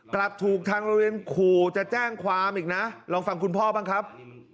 กลับถูกทางโรงเรียนขู่จะแจ้งความอีกนะลองฟังคุณพ่อบ้างครับ